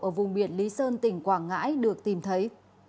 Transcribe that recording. ở vùng biển lý sơn tỉnh quảng ngãi được tìm thấy